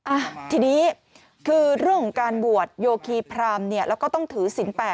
อ่ะทีนี้คือเรื่องของการบวชโยคีพรามเนี่ยแล้วก็ต้องถือศิลปะ